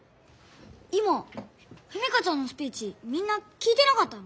今史佳ちゃんのスピーチみんな聞いてなかったの？